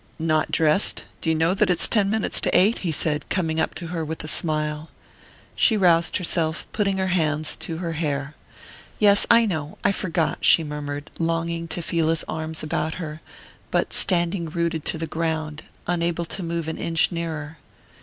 "Not dressed? Do you know that it's ten minutes to eight?" he said, coming up to her with a smile. She roused herself, putting her hands to her hair. "Yes, I know I forgot," she murmured, longing to feel his arms about her, but standing rooted to the ground, unable to move an inch nearer.